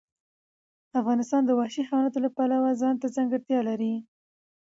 افغانستان د وحشي حیواناتو له پلوه ځانته ځانګړتیا لري.